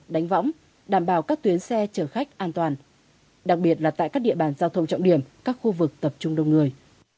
đánh võng đảm bảo các tuyến xe chở khách an toàn đặc biệt là tại các địa bàn giao thông trọng điểm các khu vực tập trung đông người